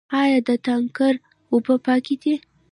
آیا د تانکر اوبه پاکې دي؟